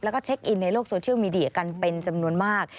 แล้วก็เช็คอินในโลกโซเชียลมีเดียกันเป็นจำนวนมาก